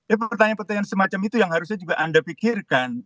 eh pertanyaan pertanyaan semacam itu yang harusnya juga anda pikirkan